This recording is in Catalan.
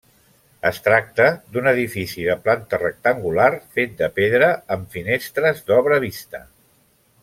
Es tracta d'un edifici de planta rectangular fet de pedra amb finestres d'obra vista.